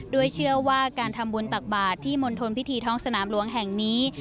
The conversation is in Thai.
โดยเชื่อว่าการทำบุญตักบาทที่มณฑลพิธีท้องสนามหลวงแห่งนี้